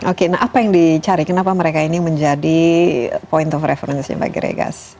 oke nah apa yang dicari kenapa mereka ini menjadi point of referensi pak giregas